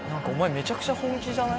めちゃくちゃ本気じゃない？